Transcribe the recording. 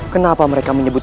kenapa mereka menyebutnya